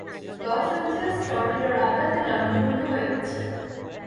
Loss Angeles টর্নেডোর আঘাতে লন্ডভন্ড হয়ে গেছে!